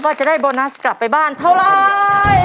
ว่าจะได้โบนัสกลับไปบ้านเท่าไร